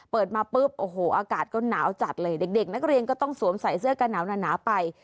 เปิดมาปุ๊บโอ้โหอากาศก็หนาวจัดเลยเด็กนักเรียนก็ต้องสวมใส่เสื้อกันหนาวไป